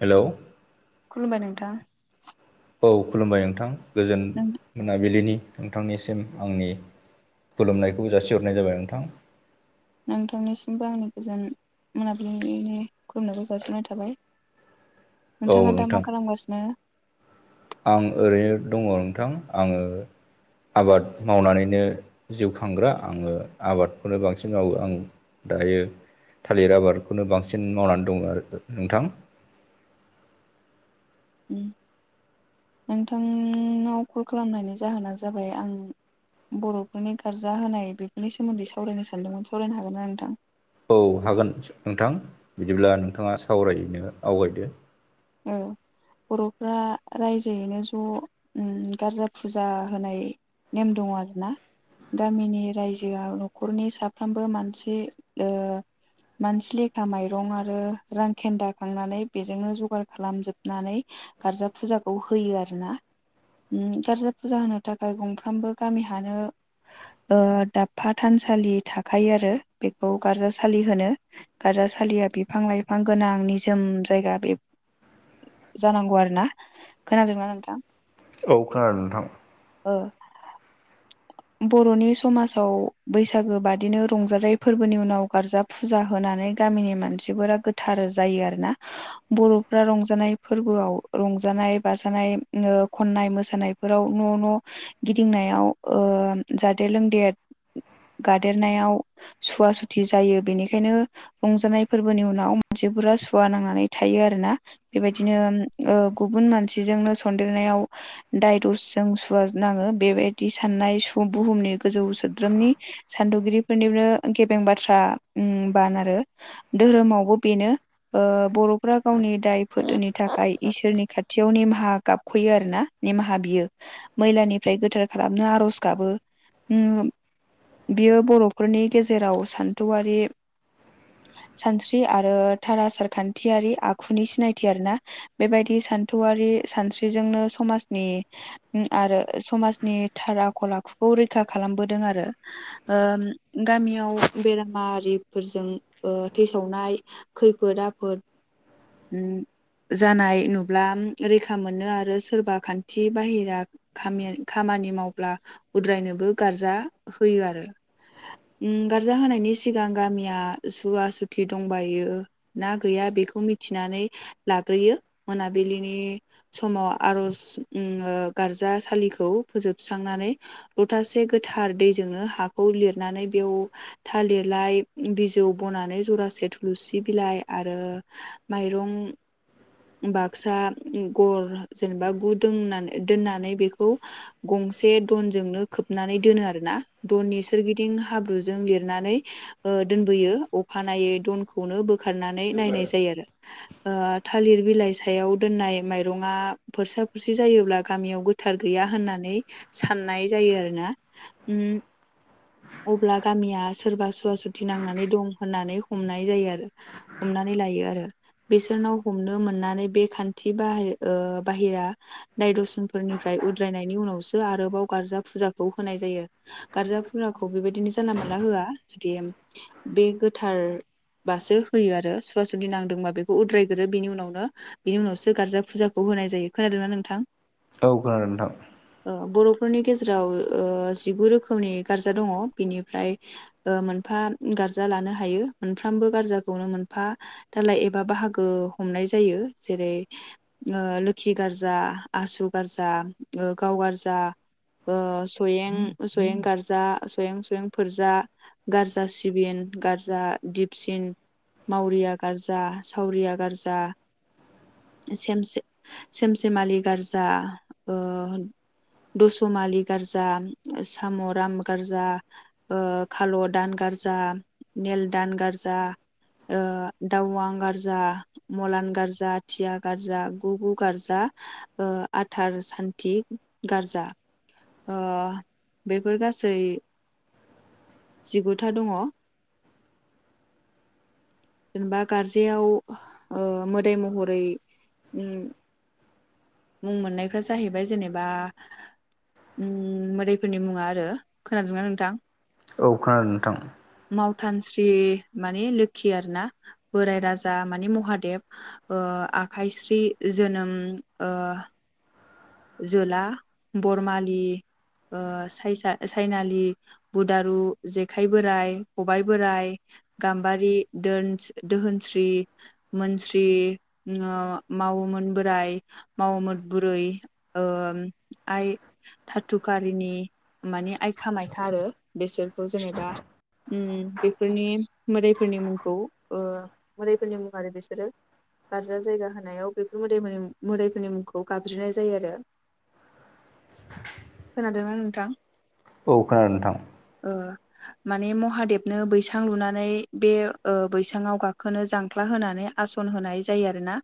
हेल' खुलुमबाय नोंथां। औ खुलुमबाय नोंथां। गोजोन नों मोनाबिलिनि नोंथांनिसिम आंनि खुलुमनायखौ जासिहरनाय जाबाय नोंथां। नोंथांनिसिमबो आंनि गोजोन मोनाबिलिनि खुलुमनायखौ जासिननाय थाबाय। औ नोंथाङा दा मा नोंथां खालामगासिनो आं ओरैनो दङ नोंथां आङो आबाद मावनानैनो जिउ खांग्रा आङो आबादखौनो बांसिन मावो आं दायो थालिर आबादखौनो बांसिन मावनानै दङ आरो नोंथां नोंथांनाव कल खालामनायनि जाहोना जाबाय आं बर'फोरनि गार्जा होनाय बेफोरनि सोमोन्दै सावरायनो सानदोंमोन सावरायनो हागोना नोंथां? औ हागोन नोंथां बिदिब्ला नोंथाङा सावरायनो आवगायदो [inaudible] बर'फ्रा रायजोयैनो ज' उम गारजा फुजा होनाय नेम दङ आरो ना। गामिनि रायजोआव न'खरनि साफ्रोमबो मानसि ओ मानसि लेखा माइरं आरो रां खेन्दाखांनानै बेजोंनो जगार खालामजोबनानै गारजा फुजाखौ होयो आरो ना उम गारजा फुजा होनो थाखाय गंफ्रामबो गामिहानो ओ दाबफा थानसालि थाखायो आरो बेखौ गारजासालि होनो। गार्जासालिया बिफां लाइफां गोनां निजोम जायगा बे जानांगौ आरो ना खोनादोंना नोंथां औ खोनादों नोंथां ओ बरनि समाजाव बैसागो बादिनो रंजाथाइ फोरबोनि उनाव गारजाब फुजा होनानै गामिनि मानसिफोरा गोथार जायो आरो ना बर फ्रा रंजानाय फोरबोआव रंजानाय बाजानाय ओ खननाय मोसानायफोराव न न गिदिंनायाव ओ जादेर लोंदेर गादेरनायाव सुवा सुथि जायो बेनिखायनो रंजानाय फोरबोनि उनाव मानसिफोरा सुवा नांनानै थायो आरोना बेबायदिनो ओ गुबुन मानसिजोंनो सन्देरनायाव दायदसजों सुवा नांङो बेबायदि साननाय सुब बुहुमनि गोजौ सोद्रोमनि सान्थौगिरिफोरनिनो गेबें बाथ्रा बान आरो दोहोरोमावबो बेनो ओ बरफ्रा गावनि दाय फोदोनि थाखाय इसोरनि खाथियाव निमाहा गाबखयो आरो ना निमाहा बियो मैलानिफ्राय गोथार खालामनो आरज गाबो उम बियो बरफोरनि गेजेराव सान्थौआरि सानस्रि आरो थार आसारखान्थियारि आखु आखुनि सिनायथि आरो ना बेबायदि सानथौआरि सानस्रिजोंनो समाजनि आरो समाजनि थार आखल आखुखौ रैखा खालामबोदों आरो। ओम गामियाव बेरामारिफोरजों ओ थैसावनाय खैफोद आफोद उम जानाय नुब्ला रैखा मोनो आरो सोरबा खान्थि बाहेरा खामि खामानि मावब्ला उद्रायनोबो गारजा होयो आरो। उम गारजा होनायनि सिगां गामिया सुवा सुथि दंबायो ना गैया बेखौ मिथिनानै लाग्रोयो मोनाबिलिनि समाव आरज उम ओ गारजासालिखौ फोजोबस्रांनानै लथासे गोथार दैजोंनो हाखौ लिरनानै बेयाव थालिरलाय बिजौ बनानै जरासे थुलुसि बिलाइ आरो माइरं बाक्सा गर जेनेबा गु दोनानै दोननानै बेखौ गंसे दनजोंनो खोबनानै दोनो आरोना दननि सोरगिदिं हाब्रुजों लिरनानै‌ ओ दोनबोयो अखानायै दनखौनो बोखारनानै नायनाय जायो आरो। ओ थालिर बिलाइ सायाव दोननाय माइरंङा फोरसा फोरसि जायोब्ला गामियाव गो थार गैया होननानै साननाय जायो आरोना उम अब्ला गामिया सोरबा सुवा सुथि नांनानै दं होननानै हमनाय जायो आरो। हमनानै लायो आरो। बिसोरनाव हमनो मोननानै बे खान्थि बाहे ओ बाहेरा दाय दसनफोरनिफ्राय उद्रायनायनि उनावसो आरोबाव गारजा फुजाखौ होनाय जायो। गारजा फुजाखौ बेबायदिनो जानला मानला होआ जुदि बे गोथारबासो होयो आरो सुवा सुदि नांदोंबा बेखौ उद्रायग्रो बिनि उनावनो बिनि उनावसो गारजा फुजाखौ होनाय जायो खोनादोंना नोंथां ओ खोनादों नोंथां ओ बरफोरनि गेजेराव जिगु रोखोमनि गारजा दंङ बिनिफ्राय ओ मोनफा गारजा लानो हायो मोनफ्रामबो गारजाखौनो मोनफा दालाय बा बाहागो हमनाय जायो जेरै ओ लोखि गारजा आसु गारजा ओ गाव गारजा ओ सयें सयें गारजा सयें सयें फोरजा गारजा सिबिन गारजा दिपसिन मावरिया गारजा सावरिया गारजा सेमसे सेम सेमालि गारजा ओ दुस'मालि गारजा साम'राम गारजा ओ खाल'दान गारजा नेलदान गारजा ओ दाउवां गार जा मलान गारजा थिया गारजा गु गु गारजा ओ आथार सान्थि गारजा। ओ बेफोर गासै जिगुथा दंङ। जेनेबा गारजायाव ओ मोदाय महरै उम मुं मोननायफ्रा जाहैबाय जेनेबा उम मोदायफोरनि मुंङा आरो खोनादोंना नोंथां? औ खोनादों नोंथां। मावथानस्रि माने लोखि आरोना बोराय राजा माने महादेब। ओ आखाइस्रि जोनोम ओ जोला बरमालि ओ सायसा सायनालि बुदारु जेखाइ बोराइ खबाइ बोराइ गाम्बारि दोन दोहोनस्रि मोनस्रि ओ मावोमोन बोराय मावोमोन बुरै ओ आइ थाथुकारिनि माने आइ कामाख्या आरो बेसोरखौ जेनेबा उम बेफोरनि मोदायफोरनि मुंखौ ओ मोदायफोरनि मुं आरो बिसोरो। गारजा जायगा होनायाव बेफोर मोदाय मो मोदायफोरनि मुंखौ गाबज्रिनाय जायो आरो खोनादोंना नोंथां? औ खोनादों नोंथां। ओ माने महादेबनो बैसां लुनानै बे ओ बैसाङाव गाखोनो जांख्ला होनानै आसन होनाय जायो आरोना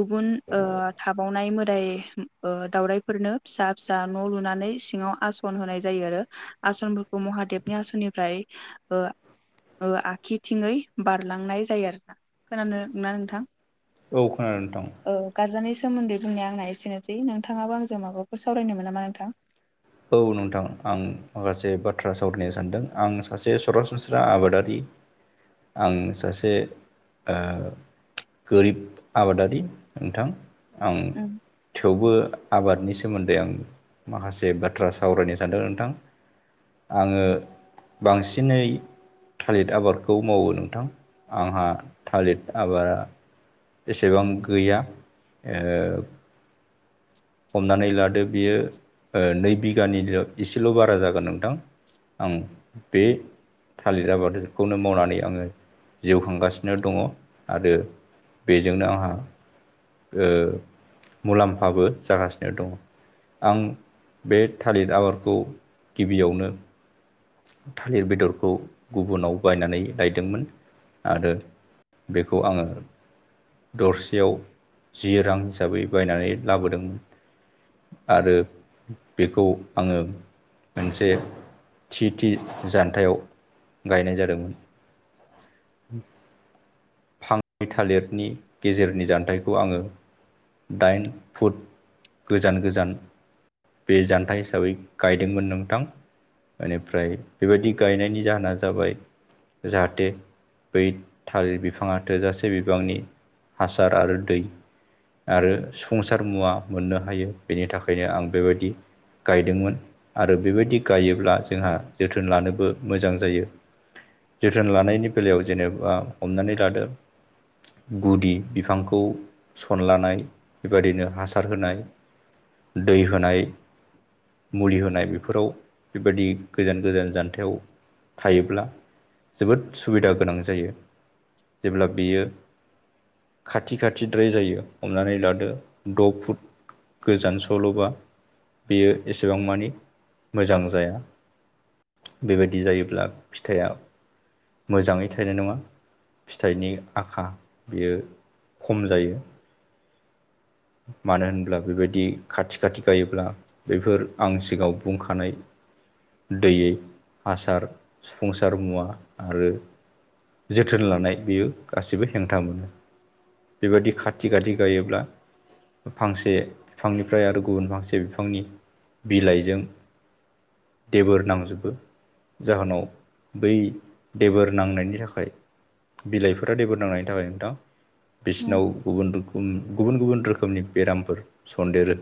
गुबुन ओ थाबावनाय मोदाय ओ दावउराइफोरनो फिसा फिसा न' लुनानै सिङांव आसन होनाय जायो आरो। आसनफोरखौ महादेबनि आसननिफ्राय ओ ओ आखिथिङै बारलांनाय जायो आरोना खोनादोंना नोंथां? औ खोनादों नोंथां। औ गारजानि सोमोन्दै बुंनाया आंना एसेनोसै नोंथांङाबो आंजों माबाफोर सावरायनोमोन नामा नोंथां? औ नोंथां आं माखासे बाथ्रा सावरायनो सानदों आं सासे सरासनस्रा आबादारि आं सासे ओ गोरिब आबादारि नोंथां आं उम थेवबो आबादनि सोमोन्दै आं माखासे बाथ बाथ्रा सावरायनो सानदों नोंथां आंङो बांसिनै थालिर आबादखौ मावो नोंथां आंहा थालिर आबादा एसेबां गैया ओ हमनानै लादो बियो नै बिगानिल' एसेल' बारा जागोन नोंथां आं बे थालिर आबादखौनो मावनानै आंङो जिउ खांगासिनो दंङ आरो बेजोंनो आंहा ओ मुलाम्फाबो जागासिनो दंङ। आं बे थालिर आबादखौ गिबियावनो थालिर बेदरखौ गुबुनाव बायनानै लायदोंमोन आरो बेखौ आंङो दरसेयाव जि रां हिसाबै बायनानै लाबोदोंमोन। आरो बेखौ आंङो मोनसे थि थि जान्थायाव गायनाय जादोंमोन [inaudible] फांनै थालिरनि गेजेरनि जानथायाइखौ आंङो दाइन फुट गोजान गोजान बे जान्थाइ हिसाबै गायदोंमोन नोंथां बेनिफ्राय बेबायदि गायनायनि जाहोना जाबाय जाहाथे बै थालिर बिफाङा थोजासे बिबांनि हासार आरो दै आरो संसार मुवा मोननो हायो बेनि थाखायनो आं बेबायदि गायदोंमोन आरो बेबायदि गायोब्ला जोंहा जोथोन लानोबो मोजां जायो जोथोन लानायनि बेलायाव जेनेबा हमनानै लादो गुदि बिफांखौ सनलानाय बेबायदिनो हासा हासार होनाय दै होनाय मुलि होनाय बेफोराव बेबायदि गोजान गोजान जान्थायाव थायोब्ला जोबोद सुबिदा गोनां जायो जेब्ला बियो खाथि खाथि द्राय जायो हमनानै लादो द' फु फुद गोजान सोल'बा बेयो एसेबां मानि मोजां जाया बेबायदि जायोब्ला फिथाइया मोजाङै थाइनाय नङा फिथाइनि आखा बेयो खम जायो मानो होनब्ला बेबायदि खाथि खाथि गायोब्ला बेफोर आं सिगाङाव बुंखानाय दैयै हासार सफुंसार मुवा आरो जोथोन लानाय बेयो गासिबो हेंथा मोनो बेबायदि खाथि खाथि गायोब्ला फांसे बिफांनिफ्राय आरो गुबुन फांसे बिफांनि बिलाइजों देबोर नांजोबो जाहोनाव बै देबोर नांनायनि थाखाय बिलाइफोरा देबोर नांनायनि थाखाय नोंथां उम बिसोरनाव गुबुन रोखोम गुबुन गुबुन रोखोमनि बेरामफोर सन्देरो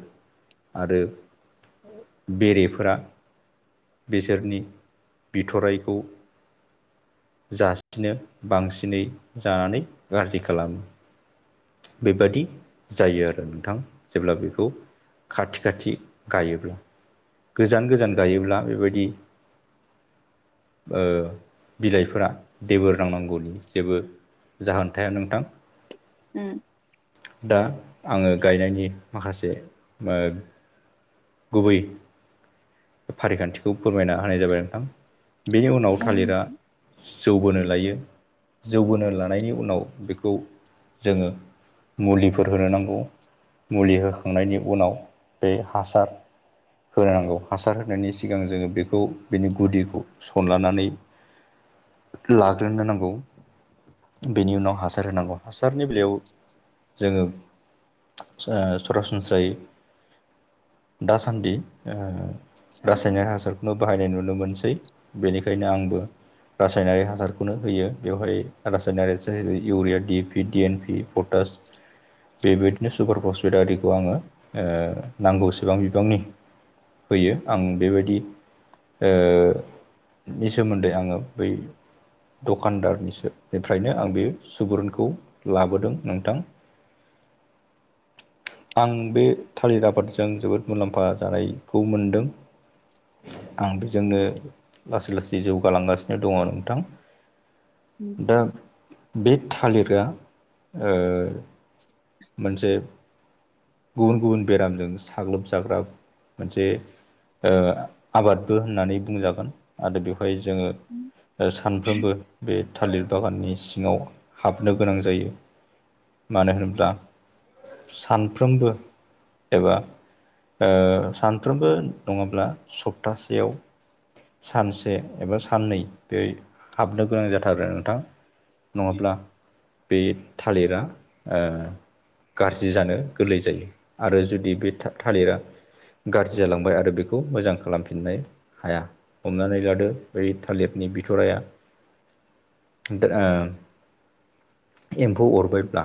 आरो बेरेफोरा बिसोरनि बिथरायखौ जासिनो बांसिनै जानानै गाज्रि खालामो बेबादि जायो आरो नों थां जेब्ला बेखौ खाथि खाथि गायोब्ला गोजान गोजान गायोब्ला बेबायदि ओ बिलाइफोरा देबोर नांनांगौनि जेबो जाहोनथाया नोंथां [unintelligible] दा आङो गायनायनि माखासे ओ गुबै बे फारिखान्थिखौ फोरमायना होनाय जाबाय नोंथां बेनि उनाव थालिरा जौ बोनो लायो जौबोनो लानायनि उनाव बेखौ जोङो मुलिफोर होनो नांगौ मुलि होखांनायनि उनाव बे हासार होनो नांगौ हासार होनायनि सिगां जोङो बेखौ बिनि गुदिखौ सनलानानै लाग्रोनो नांगौ बेनि उनाव हासार होनांगौ हासारनि बेलायाव ओ जा सरासनस्रायै दासान्दि ओ रासायनारि हासारखौनो बाहायनाय नुनो मोनसै बेनिखायनो आंबो रासायनारि हासारखौनो होयो बेवहाय रासायनारिासार urea D P D N P potash बेबायदिनो सुपार पस्पिटारिखौ आङो नांगौसेबां बिबांनि फैयो आं बेबायदि ओ नि सोमोन्दै आङो बै दखानदारनिसोनिफ्रायनो आं बे सुबुरुनखौ लाबोदों नोंथां [inaudible] आं बे थालिर आबादजों जोबोद मुलाम्फा जानाय खौ मोनदों आं बेजोंनो लासै लासै जौगालांगासिनो दङ नोंथां उ [inaudible] दा बे थालिरा ओ मोनसे गुबुन गुबुन बेरामजों साग्लोबजाग्रा मोनसे ओ आबादबो होननानै बुंजागोन आरो बेवहाय जोङो सानफ्रोमबो बे थालिर बागाननि सिङाव हाबनो गोनां जायो मानो होनोब्ला सानफ्रोमबो एबा सानफ्रोमबो नङाब्ला सप्तासेयाव सानसे एबा साननै बे हाबनो गोनां जाथार आरो नोंथां नङाब्ला बे थालिरा ओ गाज्रि जानो गोरलै जायो आरो जुदि बे थालिरा गाज्रि जालांबाय आरो बेखौ मोजां खालामफिननो हाया हमनानै लादो बै थालिरनि बिथराया दा ओ एम्फौ अरबायब्ला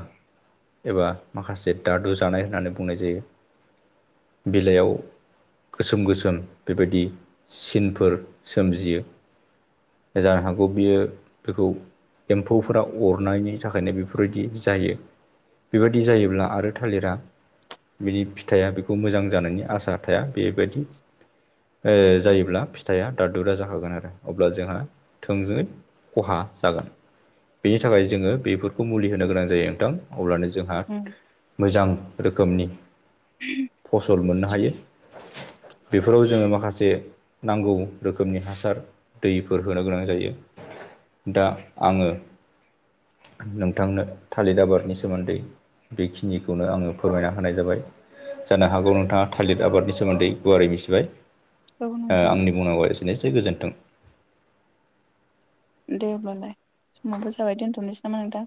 एबा माखासे दादु जानाय होननानै बुंनाय जायो बिलाइयाव गोसोम गोसोम बेबायदि सिनफोर सोमजियो जा हागौ बियो बेखौ एम्फौफोरा अरनायनि थाखायनो बेफोरबायदि जायो बेबायदि जायोब्ला आरो थालिरा बिनि फिथाइया बेखौ मोजां जानायनि आसा थाया बेबायदि एइ जायोब्ला फिथाइया दाद दुरा जाखागोन आरो अब्ला जोंहा थोंजोङै खहा जागोन बेनि थाखाय जोङो बेफोरखौ मुलि होनो गोनां जायो नोंथां अब्लानो जों जोंहा उम मोजां रोखोमनि उ फसल मोननो हायो बेफोराव जोङो माखासे नांगौ रोखोमनि हासार दैफोर होनो गोनां जायो दा आङो नोंथांनो थालिद आबादनि सोमोन्दै बेखिनिखौनो आङो फोरमायना होनाय जाबाय जानो हागौ नोंथाङा थाइलिर आबादनि सोमोन्दै गुवारै मिथिबाय औ ओ नोंथां आंनि बुंनांगौआ एसेनोसै गोजोन्थों। दे अब्लालाय समावबो जाबाय दोन्थ'नोसै नामा नोंथां